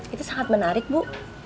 itu sangat menarik bu